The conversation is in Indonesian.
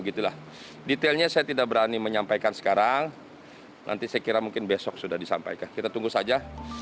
detailnya saya tidak berani menyampaikan sekarang nanti saya kira mungkin besok sudah disampaikan kita tunggu saja